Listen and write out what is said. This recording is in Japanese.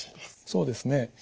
そうですね。